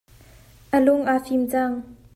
A lung a fiim cang.